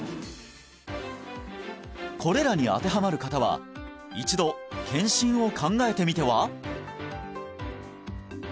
これらに当てはまる方は一度検診を考えてみては？